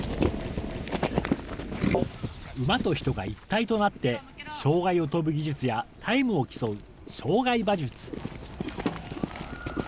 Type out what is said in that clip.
馬と人が一体となって障害を飛ぶ技術やタイムを競う障害馬術。